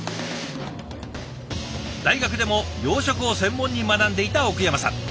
大学でも養殖を専門に学んでいた奥山さん。